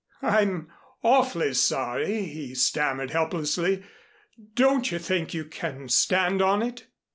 "I'm awfully sorry," he stammered helplessly. "Don't you think you can stand on it?"